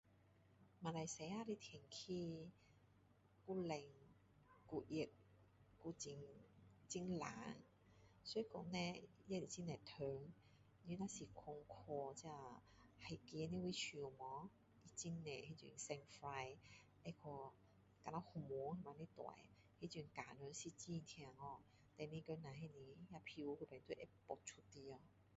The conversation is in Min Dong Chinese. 马来西亚的天气又冷又热又很很湿所以说呢也是很多虫你若是说去这海边的地区有吗很多那种 sandfly 会去会像蚊子那么大那种订人是很痛哦第二天下不是那个皮肤还会爆出来哦